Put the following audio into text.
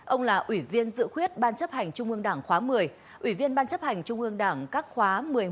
ông là ủy viên dự khuyết ban chấp hành trung ương đảng khóa một mươi ủy viên ban chấp hành trung ương đảng các khóa một mươi một một mươi hai một mươi ba